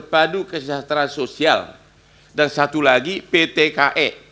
padu kesejahteraan sosial dan satu lagi ptke